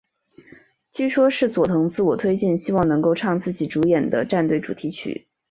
据说是佐藤自我推荐希望能够唱自己主演的战队主题曲。